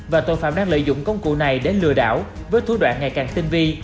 và tội phạm đang lợi dụng công cụ này để lừa đảo với thủ đoạn ngày càng tinh vi